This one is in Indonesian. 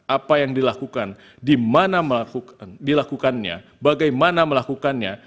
apa yang dilakukan di mana dilakukannya bagaimana melakukannya